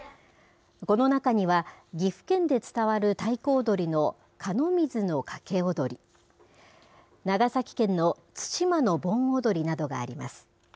この中には、岐阜県で伝わる太鼓踊りの寒水の掛踊、長崎県の対馬の盆踊などがあります。